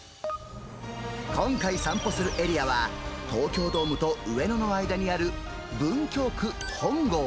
今回散歩するエリアは、東京ドームと上野の間にある文京区本郷。